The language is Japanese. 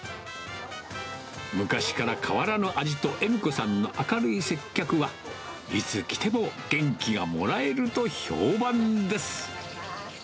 昔から変わらぬ味と、恵美子さんの明るい接客は、いつ来ても元気がもらえると評判です。